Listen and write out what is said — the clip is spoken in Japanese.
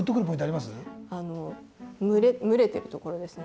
あの群れ群れてるところですね。